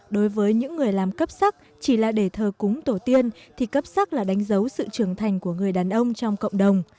đối với những người làm cấp sắc chỉ là để thờ cúng tổ tiên thì cấp sắc là đánh dấu sự trưởng thành của người đàn ông trong cộng đồng